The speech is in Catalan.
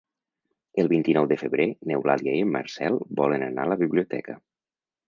El vint-i-nou de febrer n'Eulàlia i en Marcel volen anar a la biblioteca.